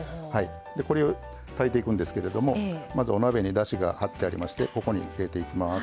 でこれを炊いていくんですけれどもまずお鍋にだしが張ってありましてここに入れていきます。